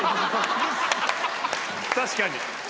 確かに。